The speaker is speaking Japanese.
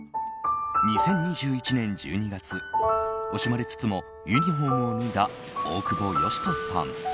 ２０２１年１２月惜しまれつつもユニホームを脱いだ大久保嘉人さん。